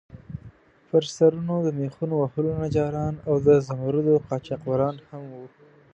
پر سرونو د میخونو وهلو نجاران او د زمُردو قاچاقبران هم وو.